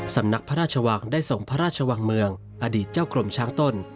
สำนักพระราชวังได้ส่งพระราชวังเมืองอดีตเจ้ากรมช้างต้น